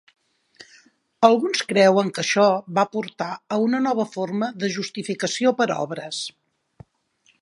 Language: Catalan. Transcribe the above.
Alguns creuen que això va portar a una nova forma de justificació per obres.